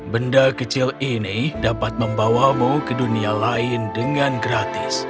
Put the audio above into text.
benda kecil ini dapat membawamu ke dunia lain dengan gratis